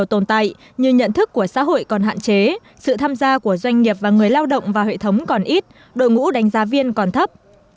tồn tại như nhận thức của xã hội còn hạn chế sự tham gia của doanh nghiệp và người lao động vào hệ thống còn ít đội ngũ đánh giá viên còn thấp